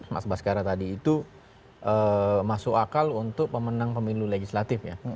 mas baskara tadi itu masuk akal untuk pemenang pemilu legislatif ya